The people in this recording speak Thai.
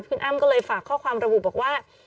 คุณอ้ำก็เลยฝากข้อความระบุบอกว่า